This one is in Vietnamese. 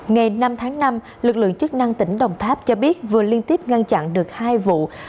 ngày năm tháng năm lực lượng chức năng tỉnh đồng tháp cho biết vừa liên tiếp ngăn chặn được hai vụ